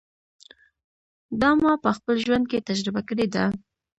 دا ما په خپل ژوند کې تجربه کړې ده.